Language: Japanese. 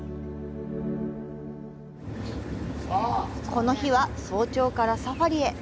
この日は早朝からサファリへ！